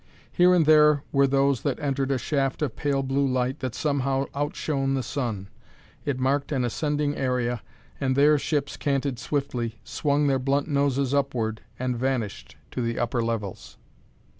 Here and there were those that entered a shaft of pale blue light that somehow outshone the sun. It marked an ascending area, and there ships canted swiftly, swung their blunt noses upward, and vanished, to the upper levels.